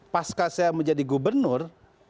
pas saya menjadi gubernur